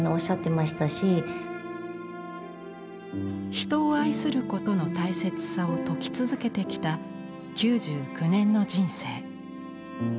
人を愛することの大切さを説き続けてきた９９年の人生。